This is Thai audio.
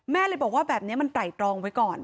แม่เลยบอกว่าแบบนี้มันไตรตรองไว้ก่อน